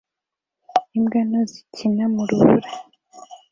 Imbwa nto zikina mu rubura